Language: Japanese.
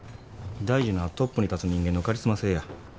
大事なんはトップに立つ人間のカリスマ性や。